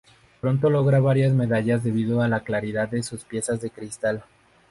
Pronto logra varias medallas debido a la claridad de sus piezas de cristal.